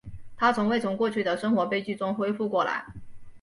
她从未从过去的生活悲剧中恢复过来。